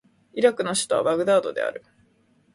イラクの首都はバグダードである